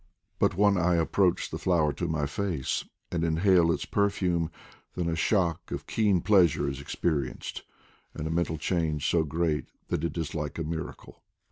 But when I approach the flower to my face and inhale its per fume, then a shock of keen pleasure is experienced, and a mental change so great that it is like a miracle.